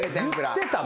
言ってた？